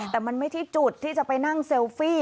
แต่มันไม่ใช่จุดที่จะไปนั่งเซลฟี่